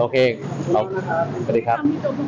สวัสดีครับ